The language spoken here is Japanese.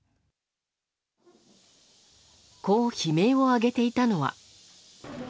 こう悲鳴を上げていたのは。